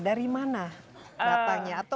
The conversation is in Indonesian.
dari mana datangnya atau